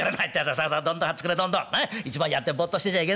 「さあさあどんどん張ってくれどんどんなっ一番やってボッとしてちゃいけねえぞ。